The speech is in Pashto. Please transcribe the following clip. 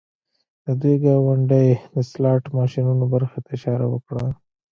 د دوی ګاونډۍ د سلاټ ماشینونو برخې ته اشاره وکړه